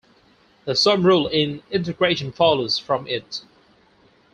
The sum rule in integration follows from it.